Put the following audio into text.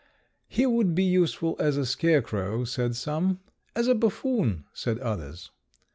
He would be useful as a scarecrow, said some; as a buffoon, said others.